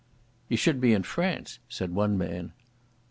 "Ye should be in France," said one man.